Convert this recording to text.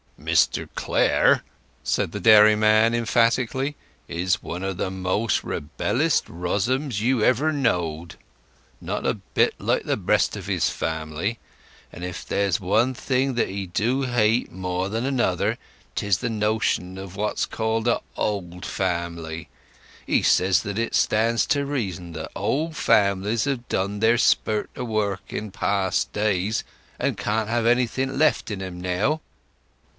"Mr Clare," said the dairyman emphatically, "is one of the most rebellest rozums you ever knowed—not a bit like the rest of his family; and if there's one thing that he do hate more than another 'tis the notion of what's called a' old family. He says that it stands to reason that old families have done their spurt of work in past days, and can't have anything left in 'em now.